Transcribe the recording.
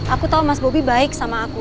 aku tahu mas bobi baik sama aku